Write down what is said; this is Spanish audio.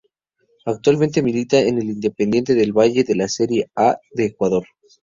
Actualmente milita en el Independiente del Valle de la Serie A de Ecuador.